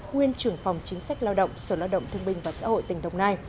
nguyên trưởng phòng chính sách lao động sở lao động thương minh và xã hội tỉnh đồng nai